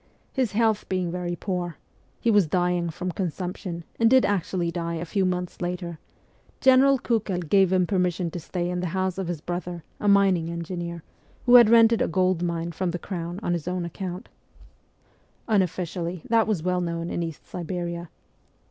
His health 202 MEMOIRS OF A REVOLUTIONIST being very poor he was dying from consumption, and did actually die a few months later General Kukel gave him permission to stay in the house of his brother, a mining engineer, who had rented a gold mine from the Crown on his own account. Unofficially that was well known in East Siberia.